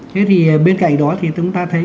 thế thì bên cạnh đó thì chúng ta thấy